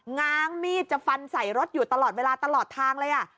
ง้างมีดจะฟันใส่รถอยู่ตลอดเวลาตลอดทางเลย